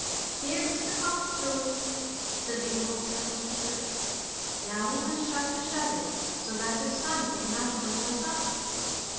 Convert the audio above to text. ' There is the cock crowing! " said the old housekeeper. " Now we must shut the shutters, so that the sun may not burn us up."